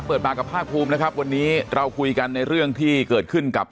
เปิดปากกับภาคภูมินะครับวันนี้เราคุยกันในเรื่องที่เกิดขึ้นกับ